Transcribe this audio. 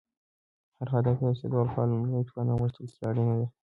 هر هدف ته رسیدو لپاره لومړی توان او غښتلتیا اړینه ده.